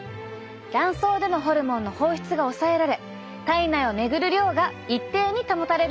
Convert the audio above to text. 卵巣でのホルモンの放出が抑えられ体内を巡る量が一定に保たれるんです。